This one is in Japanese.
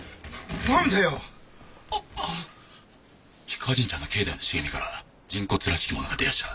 氷川神社の境内の茂みから人骨らしきものが出やした。